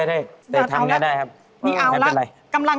ดูเขามึกขึ้นมาก